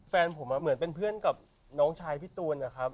แฟนผมเหมือนเป็นเพื่อนกับน้องชายพี่ตูนนะครับ